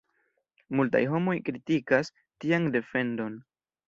Multaj homoj kritikas tian defendon.